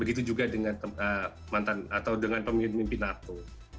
itu juga dengan peminat nato